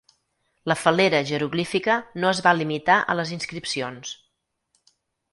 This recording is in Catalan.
La fal·lera jeroglífica no es va limitar a les inscripcions.